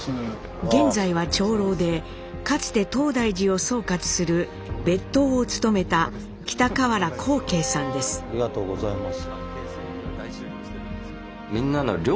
現在は長老でかつて東大寺を総括する別当を務めたありがとうございます。